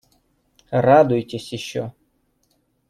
Радуйтесь ещё.